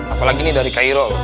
apalagi nih dari cairo